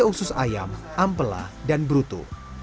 ada juga sate usus ayam ampela dan bruto